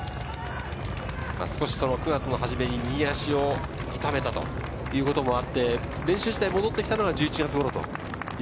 少し９月の初めに右足を痛めたということもあって練習自体戻ってきたのは１１月頃。